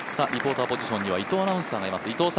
リポーターポジションには伊藤アナウンサーがいます。